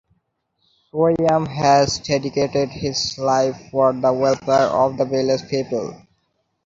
Suryam has dedicated his life for the welfare of the village people.